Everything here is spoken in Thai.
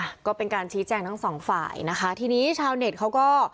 อ่ะก็เป็นการชี้แจงทั้งสองฝ่ายนะคะทีนี้ชาวเน็ตเขาก็